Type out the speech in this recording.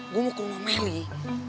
gue mau ke rumah meli